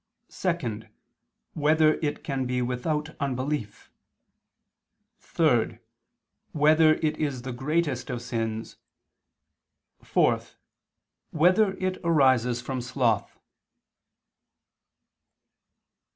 (2) Whether it can be without unbelief? (3) Whether it is the greatest of sins? (4) Whether it arises from sloth?